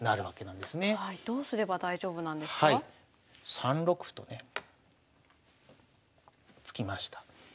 ３六歩とね突きました。